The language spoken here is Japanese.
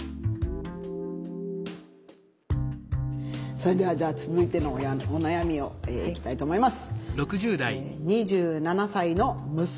それではじゃあ続いてのお悩みをいきたいと思います。